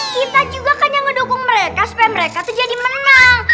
kita juga kan yang ngedukung mereka supaya mereka tuh jadi menang